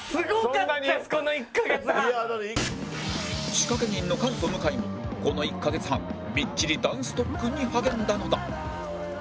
仕掛け人の菅と向井もこの１カ月半みっちりダンス特訓に励んだのだ